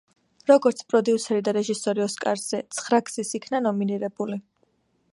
როგორც პროდიუსერი და რეჟისორი ოსკარზე ცხრაგზის იქნა ნომინირებული.